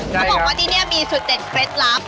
เขาบอกว่าที่นี่มีสุดเด็ดเคล็ดลับ